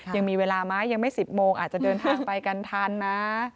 ยังมีเวลาไหมยังไม่๑๐โมงอาจจะเดินทางไปกันทันนะ